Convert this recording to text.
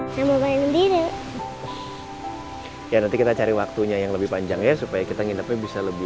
sama balon biru ya nanti kita cari waktunya yang lebih panjang ya supaya kita nginepnya bisa lebih